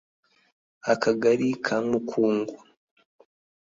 akagari ka Mukungu